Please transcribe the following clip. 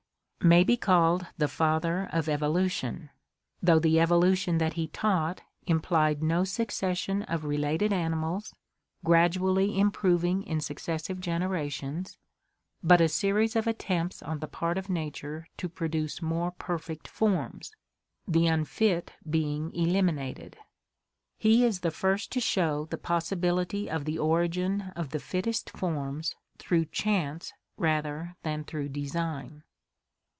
may be called the father of Evolution, though the Evolution that he taught implied no succession of re lated animals, gradually improving in successive generations, but HISTORY OF EVOLUTION 7 a series of attempts on the part of nature to produce more perfect forms, the unfit being eliminated. He is the first to show the pos sibility of the origin of the fittest forms through chance rather than through design.